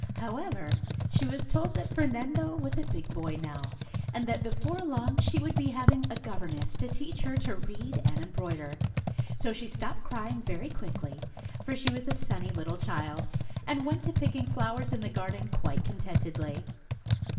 However, she was told that Fernando was a big boy now, and that before long she would be having a gov erness to teach her to read and embroider, so she stopped crying very quickly, for she was a sunny little child, and went to picking flowers in the garden quite contentedly.